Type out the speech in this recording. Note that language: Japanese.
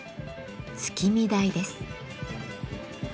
月見台です。